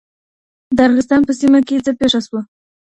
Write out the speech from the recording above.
د ارغستان په سیمه کي څه پېښه سوه؟